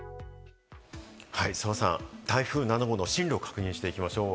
澤さん、台風７号の進路を確認していきましょう。